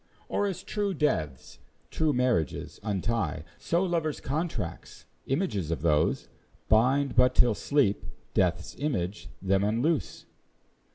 Or, as true deaths true marriages untie, So lovers' contracts, images of those, Bind but till Sleep, Death's image, them unloose?